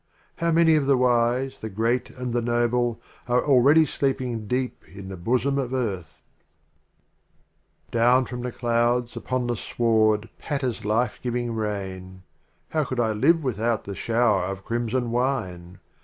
How many of the Wise, the Great and the Noble Are already sleeping deep in the Bosom of Earth ! XXIII. Down from the Clouds upon the Sward patters Life giving Rain. How could I live without the Shower of Crimson Wine